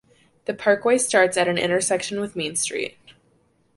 The parkway starts at an intersection with Main Street.